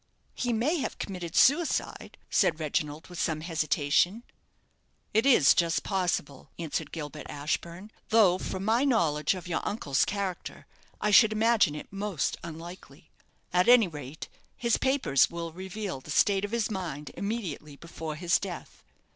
"He may have committed suicide," said Reginald, with some hesitation. "It is just possible," answered Gilbert Ashburne; "though from my knowledge of your uncle's character, I should imagine it most unlikely. At any rate, his papers will reveal the state of his mind immediately before his death.